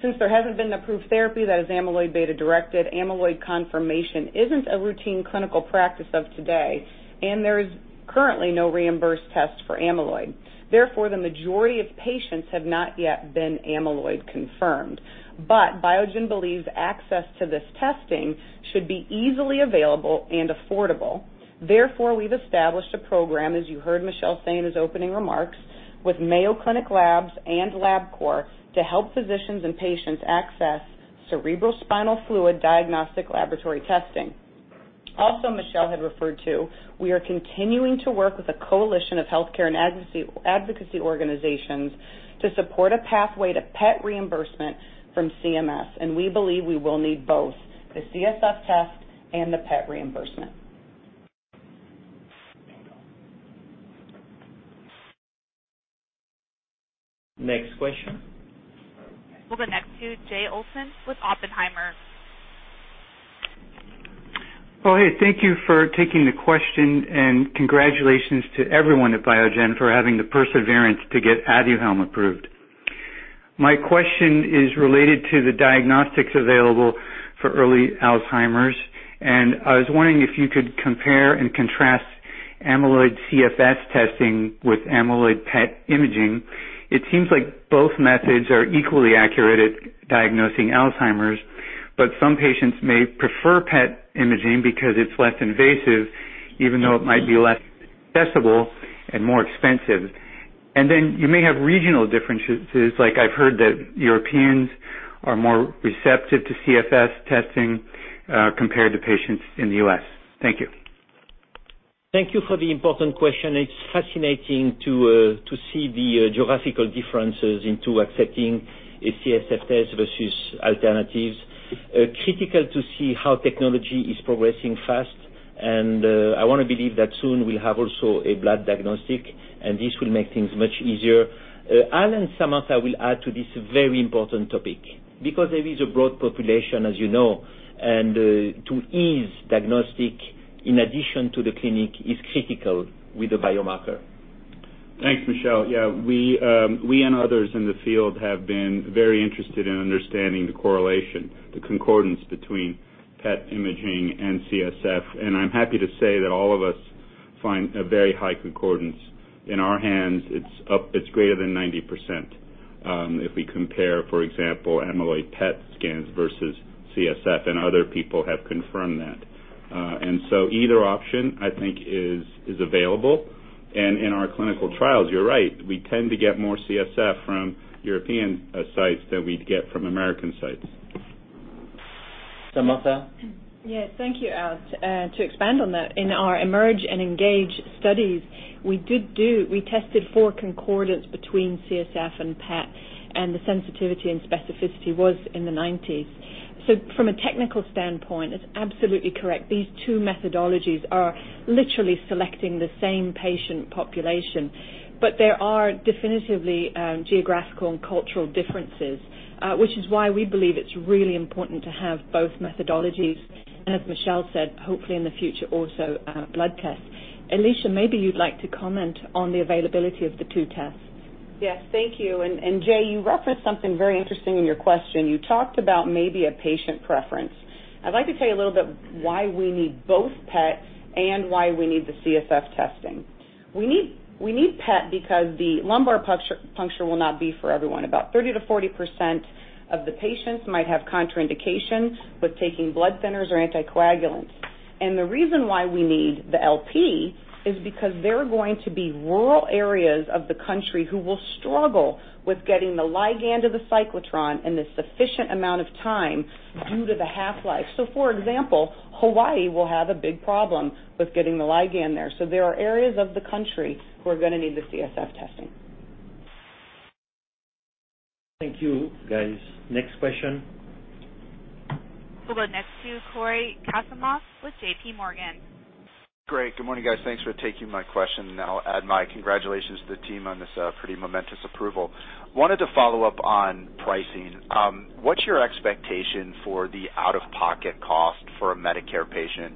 Since there hasn't been an approved therapy that is amyloid beta-directed, amyloid confirmation isn't a routine clinical practice of today, and there's currently no reimbursed test for amyloid. Therefore, the majority of patients have not yet been amyloid confirmed. Biogen believes access to this testing should be easily available and affordable. Therefore, we've established a program, as you heard Michel say in his opening remarks, with Mayo Clinic Labs and LabCorp to help physicians and patients access cerebrospinal fluid diagnostic laboratory testing. Also, Michel had referred to, we are continuing to work with a coalition of healthcare and advocacy organizations to support a pathway to PET reimbursement from CMS, and we believe we will need both the CSF test and the PET reimbursement. Next question. We'll go next to Jay Olson with Oppenheimer. Oh, hey, thank you for taking the question. Congratulations to everyone at Biogen for having the perseverance to get Aduhelm approved. My question is related to the diagnostics available for early Alzheimer's. I was wondering if you could compare and contrast amyloid CSF testing with amyloid PET imaging. It seems like both methods are equally accurate at diagnosing Alzheimer's. Some patients may prefer PET imaging because it's less invasive, even though it might be less accessible and more expensive. You may have regional differences, like I've heard that Europeans are more receptive to CSF testing compared to patients in the U.S. Thank you. Thank you for the important question. It's fascinating to see the geographical differences into accepting a CSF test versus alternatives. Critical to see how technology is progressing fast. I want to believe that soon we'll have also a blood diagnostic, and this will make things much easier. Al and Samantha will add to this very important topic. There is a broad population, as you know, and to ease diagnostic in addition to the clinic is critical with the biomarker. Thanks, Michel. We and others in the field have been very interested in understanding the correlation, the concordance between PET imaging and CSF, and I am happy to say that all of us find a very high concordance. In our hands, it is greater than 90%. If we compare, for example, amyloid PET scans versus CSF, and other people have confirmed that. So either option, I think, is available, and in our clinical trials, you are right, we tend to get more CSF from European sites than we would get from American sites. Samantha? Yes. Thank you, Al. To expand on that, in our EMERGE and ENGAGE studies, we tested for concordance between CSF and PET, and the sensitivity and specificity was in the nineties. From a technical standpoint, it's absolutely correct. These two methodologies are literally selecting the same patient population. There are definitively geographical and cultural differences, which is why we believe it's really important to have both methodologies. As Michel said, hopefully in the future also blood tests. Alisha, maybe you'd like to comment on the availability of the two tests. Yes. Thank you. Jay, you referenced something very interesting in your question. You talked about maybe a patient preference. I'd like to tell you a little bit why we need both PET and why we need the CSF testing. We need PET because the lumbar puncture will not be for everyone. About 30%-40% of the patients might have contraindication with taking blood thinners or anticoagulants. The reason why we need the LP is because there are going to be rural areas of the country who will struggle with getting the ligand to the cyclotron in the sufficient amount of time due to the half-life. For example, Hawaii will have a big problem with getting the ligand there. There are areas of the country who are going to need the CSF testing. Thank you, guys. Next question. We'll go next to Cory Kasimov with JPMorgan. Great. Good morning, guys. Thanks for taking my question, and I'll add my congratulations to the team on this pretty momentous approval. I wanted to follow up on pricing. What's your expectation for the out-of-pocket cost for a Medicare patient,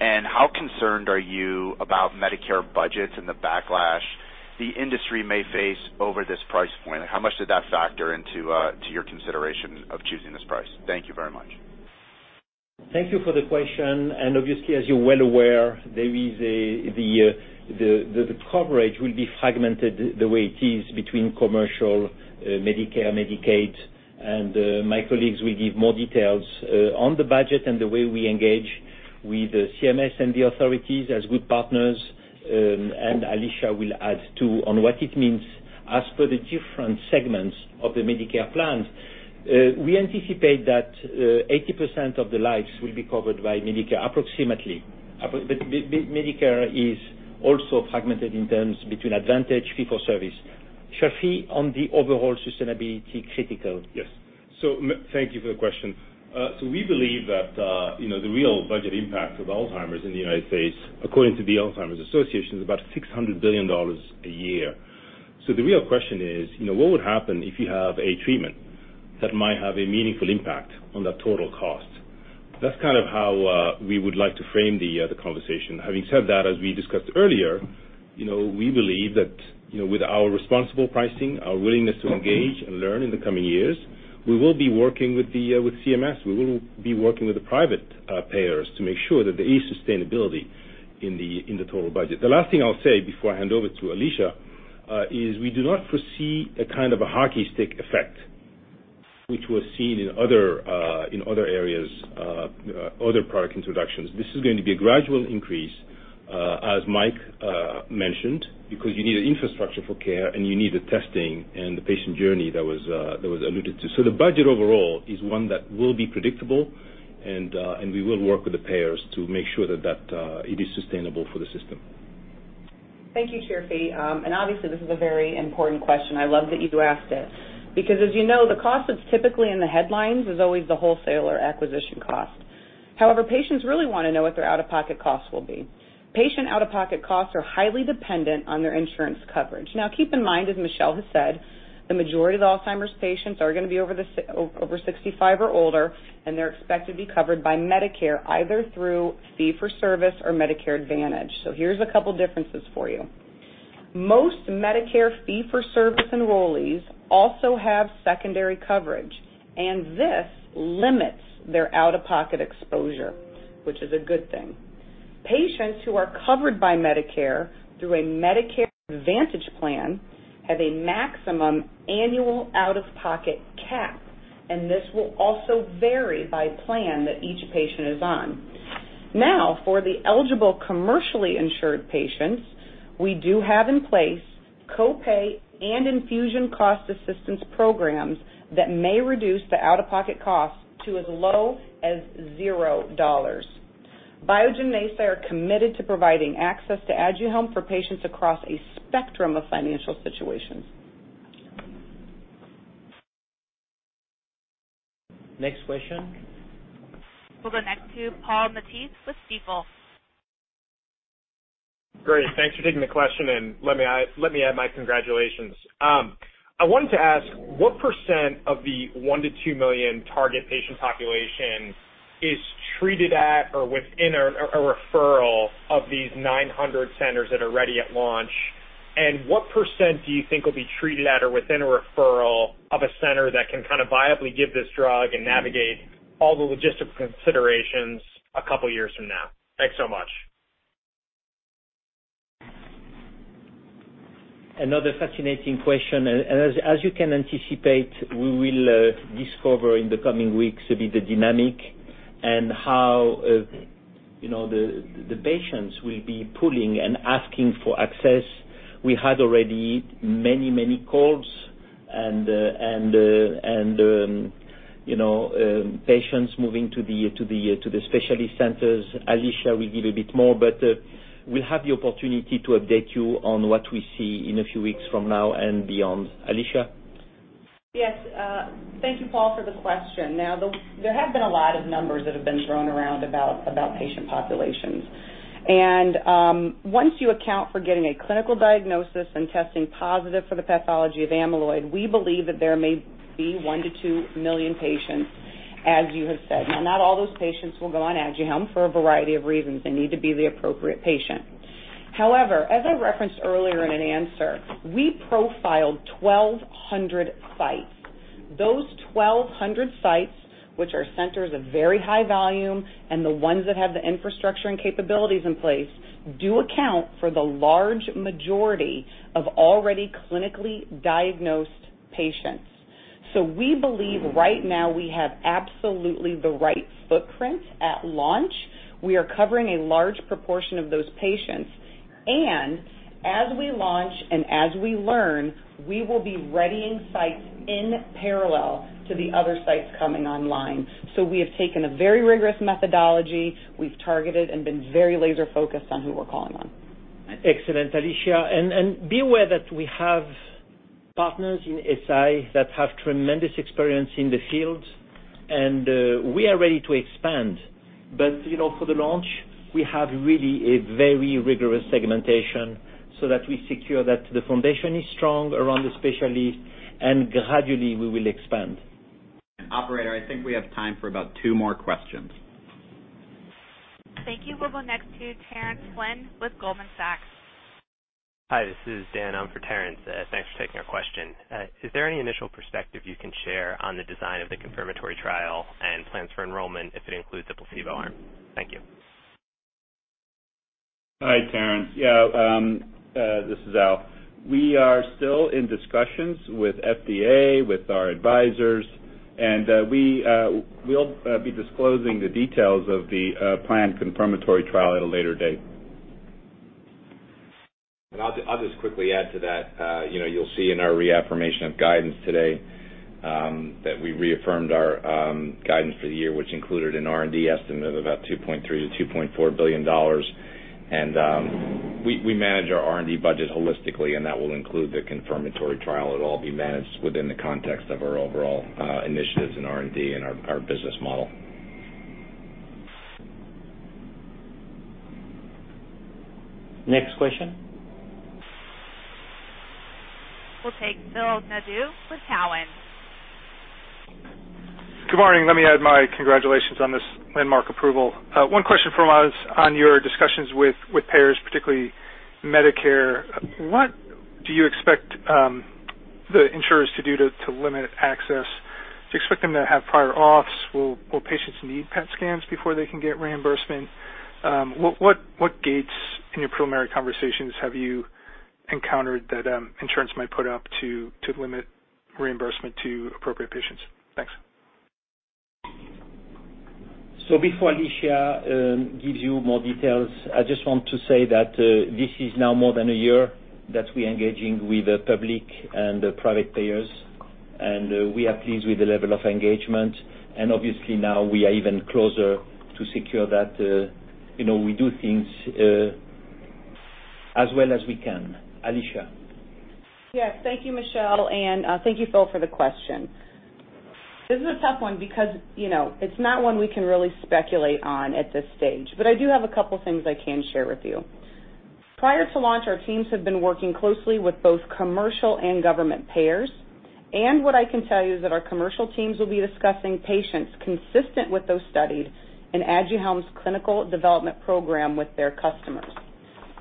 and how concerned are you about Medicare budgets and the backlash the industry may face over this price point? How much did that factor into your consideration of choosing this price? Thank you very much. Thank you for the question. Obviously, as you're well aware, the coverage will be fragmented the way it is between commercial, Medicare, Medicaid, and my colleagues will give more details on the budget and the way we engage with CMS and the authorities as good partners. Alisha will add, too, on what it means as per the different segments of the Medicare plans. We anticipate that 80% of the lives will be covered by Medicare, approximately. Medicare is also fragmented in terms between Medicare Advantage fee-for-service. Chirfi, on the overall sustainability critical. Yes. Thank you for the question. We believe that the real budget impact of Alzheimer's in the U.S., according to the Alzheimer's Association, is about $600 billion a year. The real question is, what would happen if you have a treatment that might have a meaningful impact on that total cost? That's kind of how we would like to frame the conversation. Having said that, as we discussed earlier, we believe that with our responsible pricing, our willingness to engage and learn in the coming years, we will be working with CMS. We will be working with the private payers to make sure that there is sustainability in the total budget. The last thing I'll say before I hand over to Alisha, is we do not foresee a kind of a hockey stick effect, which was seen in other areas, other product introductions. This is going to be a gradual increase as Mike mentioned, because you need an infrastructure for care, and you need the testing and the patient journey that was alluded to. The budget overall is one that will be predictable, and we will work with the payers to make sure that it is sustainable for the system. Thank you, Chirfi. Obviously, this is a very important question. I love that you asked it. As you know, the cost that's typically in the headlines is always the wholesale or acquisition cost. However, patients really want to know what their out-of-pocket costs will be. Patient out-of-pocket costs are highly dependent on their insurance coverage. Now, keep in mind, as Michel Vounatsos has said, the majority of Alzheimer's patients are going to be over 65 or older, and they're expected to be covered by Medicare, either through fee-for-service or Medicare Advantage. Here's a couple differences for you. Most Medicare fee-for-service enrollees also have secondary coverage, and this limits their out-of-pocket exposure, which is a good thing. Patients who are covered by Medicare through a Medicare Advantage plan have a maximum annual out-of-pocket cap, and this will also vary by plan that each patient is on. For the eligible commercially insured patients, we do have in place co-pay and infusion cost assistance programs that may reduce the out-of-pocket cost to as low as $0. Biogen and Eisai are committed to providing access to Aduhelm for patients across a spectrum of financial situations. Next question. We'll go next to Paul Matteis with Stifel. Great. Thanks for taking the question. Let me add my congratulations. I wanted to ask, what percent of the one to two million target patient population is treated at or within a referral of these 900 centers that are ready at launch? What percent do you think will be treated at or within a referral of a center that can viably give this drug and navigate all the logistic considerations a couple of years from now? Thanks so much. Another fascinating question. As you can anticipate, we will discover in the coming weeks a bit the dynamic and how the patients will be pulling and asking for access. We had already many calls and patients moving to the specialty centers. Alisha will give a bit more, but we'll have the opportunity to update you on what we see in a few weeks from now and beyond. Alisha? Yes. Thank you, Paul, for the question. There have been a lot of numbers that have been thrown around about patient populations. Once you account for getting a clinical diagnosis and testing positive for the pathology of amyloid, we believe that there may be one to two million patients, as you have said. Not all those patients will go on Aduhelm for a variety of reasons. They need to be the appropriate patient. As I referenced earlier in an answer, we profiled 1,200 sites. Those 1,200 sites, which are centers of very high volume and the ones that have the infrastructure and capabilities in place, do account for the large majority of already clinically diagnosed patients. We believe right now we have absolutely the right footprint at launch. We are covering a large proportion of those patients. As we launch and as we learn, we will be readying sites in parallel to the other sites coming online. We have taken a very rigorous methodology. We've targeted and been very laser-focused on who we're calling on. Excellent, Alisha. Be aware that we have partners in Eisai that have tremendous experience in the field, and we are ready to expand. For the launch, we have really a very rigorous segmentation so that we secure that the foundation is strong around the specialists, and gradually we will expand. Operator, I think we have time for about two more questions. Thank you. We'll go next to Terence Flynn with Goldman Sachs. Hi, this is Dan on for Terence. Thanks for taking our question. Is there any initial perspective you can share on the design of the confirmatory trial and plans for enrollment if it includes a placebo arm? Thank you. Hi, Terence. Yeah. This is Al. We are still in discussions with FDA, with our advisors, and we'll be disclosing the details of the planned confirmatory trial at a later date. I'll just quickly add to that. You'll see in our reaffirmation of guidance today that we reaffirmed our guidance for the year, which included an R&D estimate of about $2.3 billion-$2.4 billion. We manage our R&D budget holistically, and that will include the confirmatory trial. It will all be managed within the context of our overall initiatives in R&D and our business model. Next question. We'll take Phil Nadeau with Cowen. Good morning. Let me add my congratulations on this landmark approval. One question from us on your discussions with payers, particularly Medicare. What do you expect the insurers to do to limit access? Do you expect them to have prior auths? Will patients need PET scans before they can get reimbursement? What gates in your preliminary conversations have you encountered that insurers might put up to limit reimbursement to appropriate patients? Thanks. Before Alisha gives you more details, I just want to say that this is now more than a year that we're engaging with public and private payers, and we are pleased with the level of engagement. Obviously, now we are even closer to secure that we do things as well as we can. Alisha. Yes. Thank you, Michel, and thank you for the question. This is a tough one because it's not one we can really speculate on at this stage, but I do have a couple things I can share with you. Prior to launch, our teams have been working closely with both commercial and government payers. What I can tell you is that our commercial teams will be discussing patients consistent with those studies in Aduhelm's clinical development program with their customers.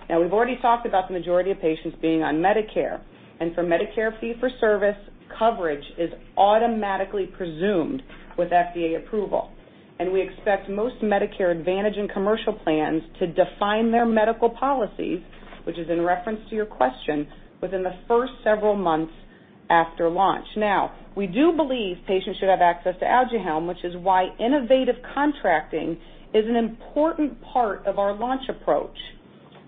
Now, we've already talked about the majority of patients being on Medicare, and for Medicare fee-for-service, coverage is automatically presumed with FDA approval. We expect most Medicare Advantage and commercial plans to define their medical policies, which is in reference to your question, within the first several months after launch. Now, we do believe patients should have access to Aduhelm, which is why innovative contracting is an important part of our launch approach.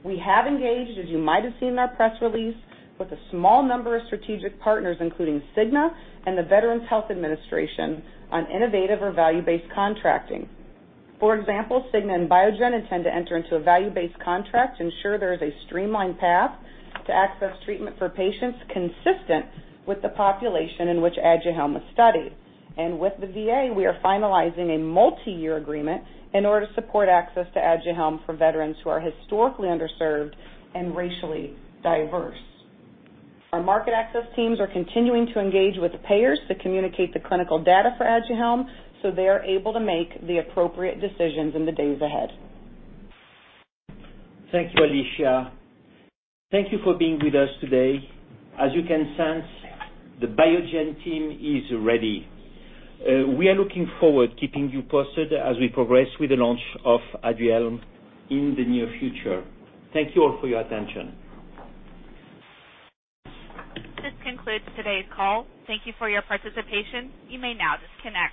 We have engaged, as you might have seen in our press release, with a small number of strategic partners, including Cigna and the Veterans Health Administration, on innovative or value-based contracting. For example, Cigna and Biogen intend to enter into a value-based contract to ensure there is a streamlined path to access treatment for patients consistent with the population in which Aduhelm was studied. With the VA, we are finalizing a multi-year agreement in order to support access to Aduhelm for veterans who are historically underserved and racially diverse. Our market access teams are continuing to engage with payers to communicate the clinical data for Aduhelm so they are able to make the appropriate decisions in the days ahead. Thank you, Alisha. Thank you for being with us today. As you can sense, the Biogen team is ready. We are looking forward keeping you posted as we progress with the launch of Aduhelm in the near future. Thank you all for your attention. This concludes today's call. Thank you for your participation. You may now disconnect.